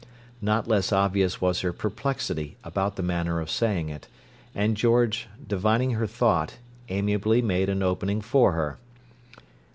Not less obvious was her perplexity about the manner of saying it; and George, divining her thought, amiably made an opening for her.